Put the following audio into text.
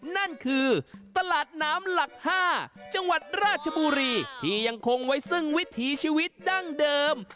นั่นคือตลาดน้ำหลัก๕จังหวัดราชบุรีที่ยังคงไว้ซึ่งวิถีชีวิตดั้งเดิม